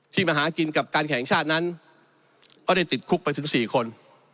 มาหากินกับการแข่งชาตินั้นก็ได้ติดคุกไปถึง๔คน